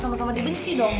sama sama dibenci dong